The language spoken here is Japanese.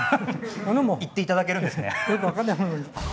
言って頂けるんですね。